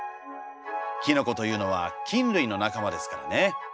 キノコというのは菌類の仲間ですからね。